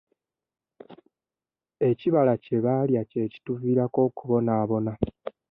Ekibala kye baalya kye kituviirako okubonaabona.